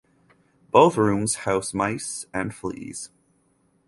Both rooms house mice and fleas.